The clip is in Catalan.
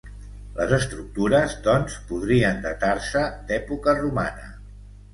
Les estructures, doncs, podrien datar-se d'època romana.